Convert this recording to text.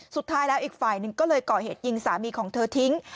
สุดท้ายแล้วอีกฝ่ายหนึ่งก็เลยก่อเหตุยิงสามีของเธอทิ้ง